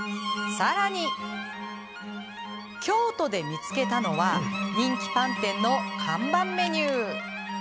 京都で見つけたのは人気パン店の看板メニュー。